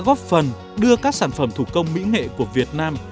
góp phần đưa các sản phẩm thủ công mỹ nghệ của việt nam